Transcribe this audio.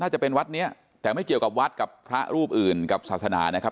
จะเป็นวัดนี้แต่ไม่เกี่ยวกับวัดกับพระรูปอื่นกับศาสนานะครับ